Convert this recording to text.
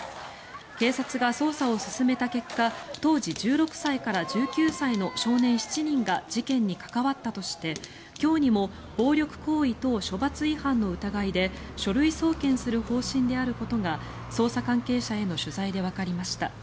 警察が捜査を進めた結果当時１６歳から１９歳の少年７人が事件に関わったとして、今日にも暴力行為等処罰違反の疑いで書類送検する方針であることが捜査関係者への取材でわかりました。